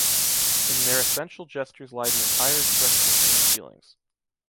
In their essential gestures lie the entire expression of human feelings.